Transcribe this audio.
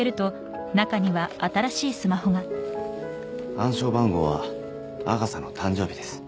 暗証番号はアガサの誕生日です